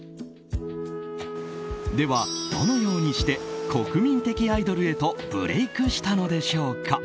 では、どのようにして国民的アイドルへとブレークしたのでしょうか。